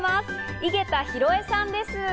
井桁弘恵さんです。